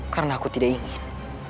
karena aku tidak ingin